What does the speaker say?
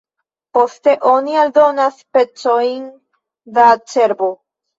Poste oni aldonas pecojn da cerbo.